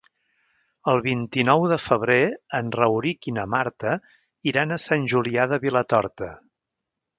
El vint-i-nou de febrer en Rauric i na Marta iran a Sant Julià de Vilatorta.